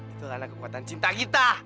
itu karena kekuatan cinta kita